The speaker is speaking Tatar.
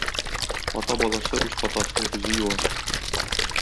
Ата баласы үз хатасын үзе юар.